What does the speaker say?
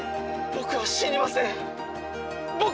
僕は死にません！